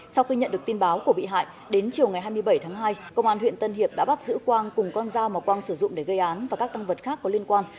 sau khi nhận được tin báo của bị hại đến chiều ngày hai mươi bảy tháng hai công an huyện tân hiệp đã bắt giữ quang cùng con dao mà quang sử dụng để gây án và các tăng vật khác có liên quan